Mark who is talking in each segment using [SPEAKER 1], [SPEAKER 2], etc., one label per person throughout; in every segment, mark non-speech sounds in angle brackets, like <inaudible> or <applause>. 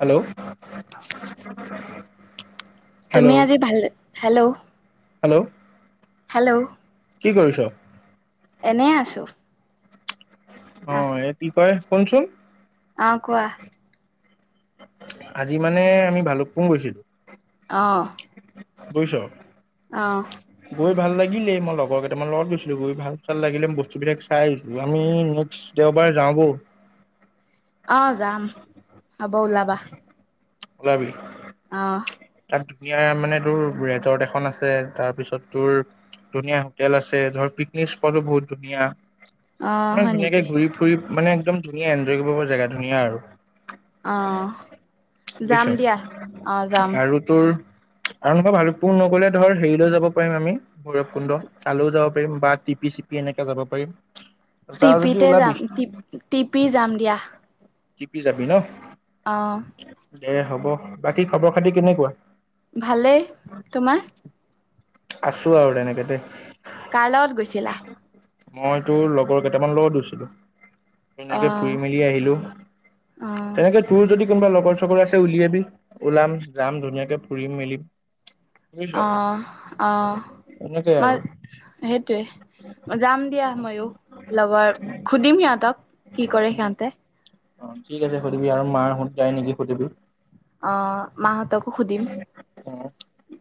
[SPEAKER 1] Hello
[SPEAKER 2] তুমি
[SPEAKER 1] hello
[SPEAKER 2] আজি ভাল, হেল্ল,
[SPEAKER 1] হেল্ল'
[SPEAKER 2] ' হেল্ল',
[SPEAKER 1] কি কৰিছ
[SPEAKER 2] এনে আছোঁ।
[SPEAKER 1] অহ, এ কি তই শুনচোন।
[SPEAKER 2] আ কোৱা।
[SPEAKER 1] আজি মানে আমি ভালুকপুং গৈছিলোঁ।
[SPEAKER 2] অহ।
[SPEAKER 1] বুইছ।
[SPEAKER 2] অহ।
[SPEAKER 1] গৈ ভাল লাগিলেই, মই লগৰ কেইটামান লগত গৈছিলোঁ। গৈ ভাল-চাল লাগিলে, বস্তুবিলাক চাই আহিছোঁ। আমি নেক্সট দেওবাৰ যাওঁ বল।
[SPEAKER 2] অহ যাম। হ'ব, ওলাবা।
[SPEAKER 1] উলাবি।
[SPEAKER 2] অহ।
[SPEAKER 1] ধুনীয়া মানে, তোৰ ৰেজৰ্ট এখন আছে, তাৰ পিছত তোৰ ধুনীয়া হোটেল আছে, ধৰ পিকনিক স্পটো বহুত ধুনীয়া।
[SPEAKER 2] অ
[SPEAKER 1] ইমান
[SPEAKER 2] হয়
[SPEAKER 1] ধুনীয়াকে
[SPEAKER 2] নেকি
[SPEAKER 1] ঘূৰি ফুৰিম। মানে একদম ধুনীয়া, এনজয় কৰিব পৰা জেগা, ধুনীয়া আৰু।
[SPEAKER 2] অহ। যাম দিয়া, অহ যাম।
[SPEAKER 1] আৰুনাইবা ভালুকপুং নগলে ধৰ, হেৰিলৈ যাব পাৰিম আমি ভৈৰৱ কুণ্ড তালৈও যাব পাৰিম বা টিপি-চিপি এনেকাে যাব পাৰিম
[SPEAKER 2] টি
[SPEAKER 1] যা যদি
[SPEAKER 2] পিতে
[SPEAKER 1] ওলাবি
[SPEAKER 2] যাম, টি-টি পি যাম দিয়া।
[SPEAKER 1] টিপি যাবি ন?
[SPEAKER 2] অ
[SPEAKER 1] দে, হ'ব। বাকী খবৰ? <unintelligible> কেনেকুৱা?
[SPEAKER 2] ভালেই, তোমাৰ?
[SPEAKER 1] আছোঁ আৰু তেনেকেতে।
[SPEAKER 2] কাৰ লগত গৈছিলা?
[SPEAKER 1] মই তোৰ লগৰ কেইটামান লগত গৈছিলোঁ।
[SPEAKER 2] অ
[SPEAKER 1] তেনেকে ফুৰি মেলি আহিলোঁ,
[SPEAKER 2] অ
[SPEAKER 1] তেনেকে তোৰ যদি কোনোবা লগৰ। সকলো আছে, উলিয়াবি, ওলাম। যাম, ধুনীয়াকে ফুৰিম-মেলিম।
[SPEAKER 2] অহ, অহ,
[SPEAKER 1] এনেকেই
[SPEAKER 2] মই
[SPEAKER 1] আৰু
[SPEAKER 2] সেইটোৱে, যাম দিয়া ময়ো। লগৰ সুধিম সিহঁতক, কি কৰে সিহঁতে।
[SPEAKER 1] অ', ঠিক আছে সুধিবি আৰু মাৰহুত যাই নেকি সুধিবি।
[SPEAKER 2] অ' মা-হঁতকো সুধিম।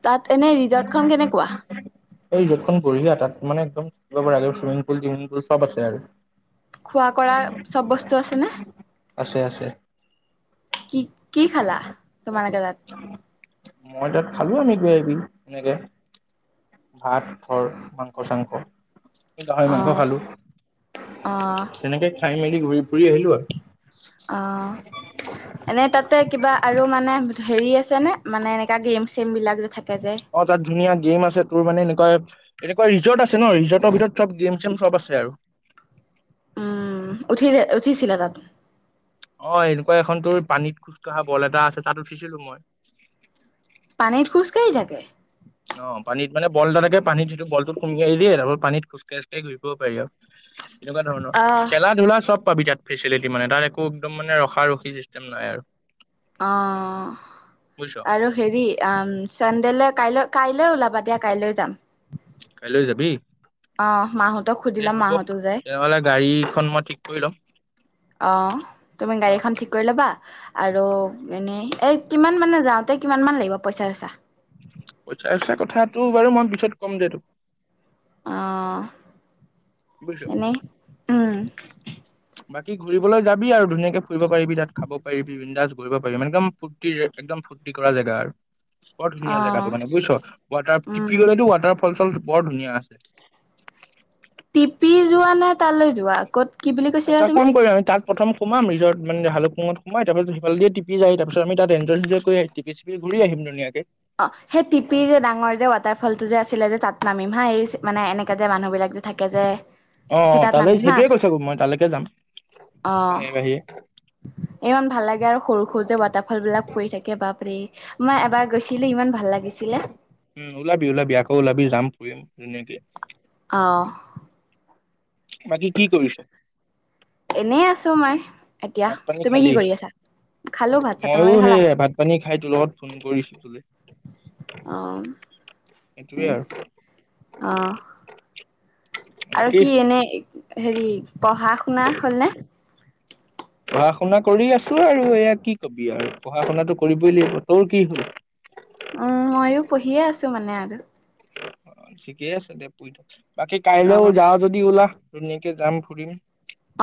[SPEAKER 2] তাত এনে ৰিজৰ্টখন কেনেকুৱা?
[SPEAKER 1] য'তখন বঢ়িয়া। তাত, মানে, একদম <unintelligible> চুইমিং পুল, চুইমিং পুল চব আছে আৰু
[SPEAKER 2] খোৱা-কৰা চব বস্তু আছেনে?
[SPEAKER 1] আছে, আছে।
[SPEAKER 2] কি, কি খালা? মানে, কেইটাত?
[SPEAKER 1] মই তাত খালোঁ। আমি কিবি, এনেকে ভাত, খৰ মাংস-চাংস, গাহৰি মাংস
[SPEAKER 2] অ',
[SPEAKER 1] খালোঁ।
[SPEAKER 2] অ',
[SPEAKER 1] তেনেকেই খাই মেলি, ঘূৰি-ফুৰি আহিলোঁ আৰু
[SPEAKER 2] অ', এনেই তাতে কিবা আৰু, মানে হেৰি আছে নে? মানে, এনেকা গেম, চেমবিলাক যে থাক
[SPEAKER 1] অ'। তাত ধুনীয়া গেম আছে। তোৰ, মানে, এনে তই, এনেকুৱা ৰিজৰ্ট আছে ন। ৰিজৰ্টৰ ভিতৰত চব গেম-চেম, চব আছে আৰু
[SPEAKER 2] উম, উঠিলে? উঠিছিলে তাত?
[SPEAKER 1] অ', এনেকুৱা এখন। তোৰ পানীত খোজকাঢ়া বল এটা আছে। তাত উঠিছিলোঁ মই।
[SPEAKER 2] পানীত, খোজকাঢ়ি থাকে?
[SPEAKER 1] অ', পানীত, মানে, বল এটা থাকে। পানীত যিটো বলটোত সুমুৱাই দিয়ে, তাৰপৰা পানীত খোজকাঢ়ি, খোজকাঢ়ি ঘূৰি ফুৰিব পাৰি আৰু এনেকুৱা ধৰণৰ,
[SPEAKER 2] অ',
[SPEAKER 1] খেলা ধূলা চব পাবি তাত। ফেচেলেটি মানে, তাত একো একদম মানে ৰখা ৰখি চিষ্টেম নাই আৰু।
[SPEAKER 2] অ',
[SPEAKER 1] বুজিছ
[SPEAKER 2] আৰু হেৰি, আম চেন্দেলে কাইলৈ কাইলৈ ওলাবা দিয়া, কাইলৈ যাম।
[SPEAKER 1] কাইলৈ যাবি?
[SPEAKER 2] অহ, মাহঁতক সুধি
[SPEAKER 1] দে
[SPEAKER 2] লম
[SPEAKER 1] হ'ব
[SPEAKER 2] মাহঁতো যায়,
[SPEAKER 1] তেনেহ'লে গাড়ীখন মই ঠিক কৰি ল'ম
[SPEAKER 2] অহ, তুমি
[SPEAKER 1] অ
[SPEAKER 2] গাড়ীখন ঠিক কৰি ল'বা। আৰু এনেই এ কিমান মানে যাওঁতে কিমান মান লাগিব পইচা চইচা?
[SPEAKER 1] পইচা চইচা কথাটো বাৰু মই পিছত ক'ম দে তোক।
[SPEAKER 2] অহ।
[SPEAKER 1] বুজিছ
[SPEAKER 2] এনেই, উম।
[SPEAKER 1] বাকী ঘূৰিবলৈ যাবি আৰু ধুনীয়াকে ফুৰিব পাৰিবি তাত, খাব পাৰিবি, বিন্দাজ ঘূৰিব পাৰিবি মানে একদম ফূৰ্তি, একদম ফূৰ্তি কৰা জেগা আৰু। বৰ ধুনীয়া জেগাটো
[SPEAKER 2] অ',
[SPEAKER 1] মানে বুইছ', ৱাটাৰ,
[SPEAKER 2] উম।
[SPEAKER 1] টিপিৰৰ ৱাটাৰ ফল চল বৰ ধুনীয়া আছ
[SPEAKER 2] টিপি যোৱা নে তালৈ যোৱা, ক'ত কি বুলি কৈছিলা
[SPEAKER 1] এটা
[SPEAKER 2] তুমি?
[SPEAKER 1] কাম কৰিম আমি তাক প্ৰথম সোমাম ৰিজৰ্ট, মানে ভালুকপুঙত সোমাই তাৰ পিছত সেইফালদিয়ে টিপি যাই, তাৰপাছত আমি তাত এঞ্জয় চেঞ্জয় কৰি টিপি চিপি ঘূৰি আহিম ধুনীয়াকে।
[SPEAKER 2] অ', সেই টিপিৰ যে ডাঙৰ যে ৱাটাৰফলটো যে আছিলে যে তাত নামিম হা, এইচ মানে এনেকে যে মানুহ বিলাক যে থাকে যে।
[SPEAKER 1] অ অ
[SPEAKER 2] সেই তাত
[SPEAKER 1] তালৈ
[SPEAKER 2] নামিম হা,
[SPEAKER 1] সেইটোৱে কৈছো মই তালৈকে যাম
[SPEAKER 2] অ',
[SPEAKER 1] বাহিৰে বাহিৰে
[SPEAKER 2] ইমান ভাল লাগে আৰু সৰু সৰু যে ৱাটাৰফল বিলাক পৰি থাকে, বাপৰে মই এবাৰ গৈছিলি ইমান ভাল লাগিছিলে
[SPEAKER 1] উম ওলাবি ওলাবি আকৌ ওলাবি যাম ফুৰিম যেনেকে
[SPEAKER 2] অ'।
[SPEAKER 1] বাকী কি কৰিছ?
[SPEAKER 2] এনেই আছো মই এতিয়া
[SPEAKER 1] ভাত পানী
[SPEAKER 2] তুমি কি
[SPEAKER 1] খালি
[SPEAKER 2] কৰি আছা? খালো ভাত চাত
[SPEAKER 1] ময়ো
[SPEAKER 2] তোমালোকে খালা?
[SPEAKER 1] সেই ভাত পানী খাই তোৰ লগত ফোন কৰিছো
[SPEAKER 2] অ',
[SPEAKER 1] সেইটোৱে আৰু।
[SPEAKER 2] অ', আৰু
[SPEAKER 1] বাকী
[SPEAKER 2] কি এনে হেৰি পঢ়া শুনা হলনে
[SPEAKER 1] পঢ়া শুনা কৰি আছো আৰু এয়া কি কবি আৰু পঢ়া শুনাটো কৰিবই লাগিব তোৰ কি হ'ল
[SPEAKER 2] উম ময়ো পঢ়িয়ে আছো মানে আৰু
[SPEAKER 1] <unintelligible> আছে দে পুই থাক বাকি কাইলৈও
[SPEAKER 2] অ',
[SPEAKER 1] যাওঁ যদি ওলা। ধুনীয়াকে যাম ফুৰিম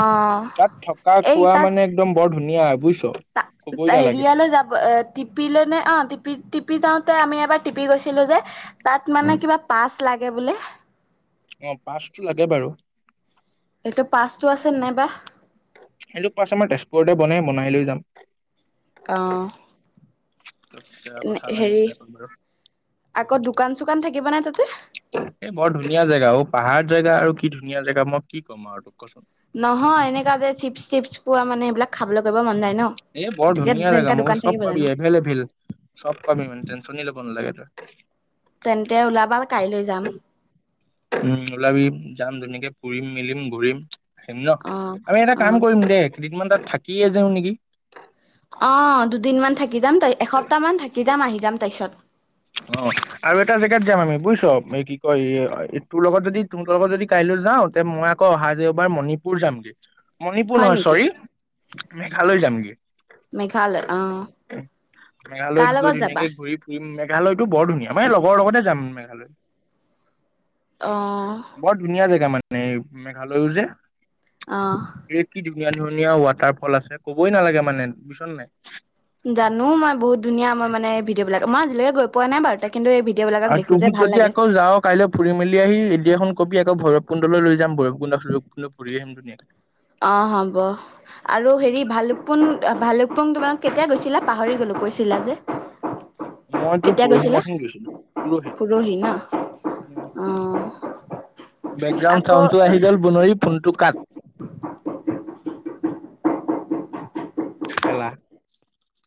[SPEAKER 2] অ',
[SPEAKER 1] তাত থকা খোৱা মানে একদম বৰ ধুনীয়া আৰু <inaudible>
[SPEAKER 2] <unintelligible> হেৰিয়ালে যাব, এ টিপিলে নে, অ', টিপি-টিপি যাওঁ আমি এবাৰ টিপি গৈছিলো যে, তাত মানে কিবা পাছ লাগে বোলে।
[SPEAKER 1] অ পাছটো লাগে বাৰু
[SPEAKER 2] এইটো পাচটো আছে নাই বা
[SPEAKER 1] সেইটো পাছ আমাৰ তেজপুৰতে বনায়, বনাই লৈ যাম।
[SPEAKER 2] অ <inaudible> এ
[SPEAKER 1] কথা নাই
[SPEAKER 2] হেৰি
[SPEAKER 1] এইবিলাকত বাৰু
[SPEAKER 2] <inaudible> আকৌ দোকান চোকান থাকে কি বনাই তাতে
[SPEAKER 1] এ বৰ ধুনীয়া জেগা অ' পাহাৰ জেগা আৰু কি ধুনীয়া জেগা মই কি ক'ম আৰু তোক কচোন
[SPEAKER 2] নহয় এনেককা যে চিপছ চিপছ পোৱা মানে সেইবাক খাবলৈ কৰিব মন যায় ন।
[SPEAKER 1] এ বৰ
[SPEAKER 2] তেতিয়া
[SPEAKER 1] ধুনীয়া জোগা
[SPEAKER 2] তেনেকা দোকান
[SPEAKER 1] মই চব
[SPEAKER 2] থাকিব
[SPEAKER 1] পাবি
[SPEAKER 2] জানো
[SPEAKER 1] এভেইলে এভেল চব পাবি মানে টেনচন ল'ব নালাগে তই <inaudible>
[SPEAKER 2] তেন্তে ওলাবা কাইলৈ যাম
[SPEAKER 1] উম ওলাবি যাম ধুনীয়াকে ফুৰিম মেলিম ঘূৰিম আহিম
[SPEAKER 2] অ
[SPEAKER 1] ন' আমি এটা
[SPEAKER 2] অ
[SPEAKER 1] কাম কৰিম দে কেইদিনমান তাত থাকিয়ে যাওঁ নেকি?
[SPEAKER 2] অ দুদিনমান থাকি থাকি যাম এসপ্তামান থাকি যাম আহি যাম তাৰপিছত
[SPEAKER 1] অ আৰু এটা জেগাত যাম আমি বুজিছো এই কি কয় তোৰ লগত যদি তোৰ লগত যদি কাইলৈ যাওঁ তে মই আকৌ অহা দেওবাৰে মণিপুৰ যামগে মণিপুৰ
[SPEAKER 2] হয়
[SPEAKER 1] নহয়
[SPEAKER 2] নেকি
[SPEAKER 1] চৰি মেঘালয় যামগে
[SPEAKER 2] মেঘালয় অ
[SPEAKER 1] মেঘালয়ত
[SPEAKER 2] কাৰ
[SPEAKER 1] গৈ
[SPEAKER 2] লগত যাবা
[SPEAKER 1] ধুনীয়াকে ঘূৰি ফুৰি মেঘালয়তটো বৰ ধুনীয়া মই লগৰ লগতে যাম মেঘালয়
[SPEAKER 2] অ
[SPEAKER 1] বৰ ধুনীয়া জেগা মানে নে মেঘালয়ো যে
[SPEAKER 2] অ'।
[SPEAKER 1] এ কি ধুনীয়া ধুনীয়া ৱাটাৰ ফল আছে, ক'বই নালাগে মানে বুইছ নাই।
[SPEAKER 2] জানো মই বহুত ধুনীয়া মই মানে বিলাক, মই আজিলকে গৈ পোৱা নাই বাৰু কিন্তু এই ভিডিঅ' বিলাকক
[SPEAKER 1] আৰু
[SPEAKER 2] দেখো যে
[SPEAKER 1] তুহুত
[SPEAKER 2] ভাল
[SPEAKER 1] যদি
[SPEAKER 2] লাগে
[SPEAKER 1] আকৌ যাৱ, কাইলৈ ফুৰি মেলি আহি ৰেদি এখন কবি আক <unintelligible> লৈ যাম, ভৈৰৱকুণ্ড চৈৰৱকুণ্ড ফুৰি আহিম <unintelligible>
[SPEAKER 2] অ', হ'ব। আৰু হেৰি ভালুকপোন্দ ভালুক <unintelligible> কেতিয়া গৈছিলা, পাহৰি গ'লো কৈছিলা যে।
[SPEAKER 1] মই তোৰ
[SPEAKER 2] কেতিয়া
[SPEAKER 1] পুৰহি
[SPEAKER 2] গৈছিলা
[SPEAKER 1] দিনাখন গৈছিলো, পুৰহি।
[SPEAKER 2] পৰহি ন অ
[SPEAKER 1] বেকগ্ৰাউন্দ চাউন্দটো
[SPEAKER 2] আকৌ
[SPEAKER 1] আহি গল <unintelligible> ফোনটো <unintelligible>